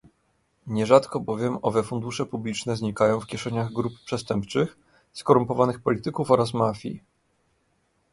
Nierzadko bowiem owe fundusze publiczne znikają w kieszeniach grup przestępczych, skorumpowanych polityków oraz mafii